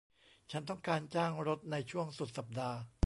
ฉันต้องการจ้างรถในช่วงสุดสัปดาห์